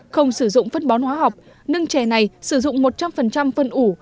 không sử dụng phân bón hóa học nương chè này sử dụng một trăm linh phân ủ